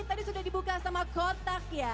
tadi sudah dibuka sama kotak ya